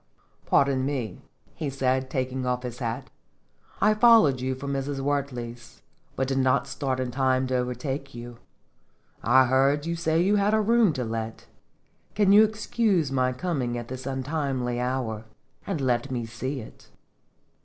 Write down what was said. " Pardon me," he said, taking off his hat; " 1 followed you from Mrs. Wertley's, but did not start in time to overtake you. I heard you say you had a room to let. Can you excuse my coming at this untimely hour, and let me see it?"